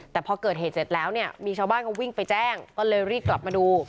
แต่พอเกิดเหตุเสร็จแล้วเนี่ยมีชาวบ้านเขาวิ่งไปแจ้งก็เลยรีบกลับมาดู